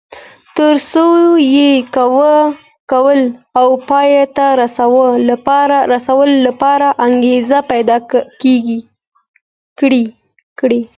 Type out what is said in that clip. تر څو یې کولو او پای ته رسولو لپاره انګېزه پيدا کړي.